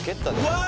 うわ！